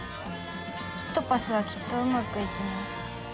キットパスはきっとうまくいきます。